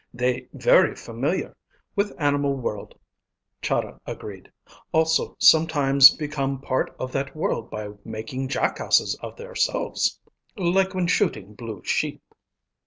"They very familiar with animal world," Chahda agreed. "Also, sometimes become part of that world by making jackasses of their selves. Like when shooting blue sheep."